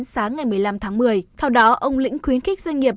sáng ngày một mươi năm tháng một mươi theo đó ông lĩnh khuyến khích doanh nghiệp